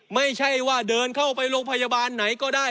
ไม่ใช่ว่าเดินเข้าไปโรงพยาบาลไหนก็ได้